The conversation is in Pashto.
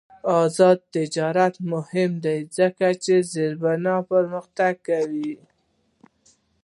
آزاد تجارت مهم دی ځکه چې زیربنا پرمختګ کوي.